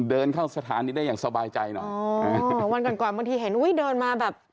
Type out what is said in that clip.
เดินเข้าสถานีได้อย่างสบายใจหน่อยอ๋อวันก่อนก่อนบางทีเห็นอุ้ยเดินมาแบบ